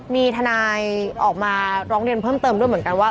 มีทนายออกมาร้องเรียนเพิ่มเติมด้วยเหมือนกันว่า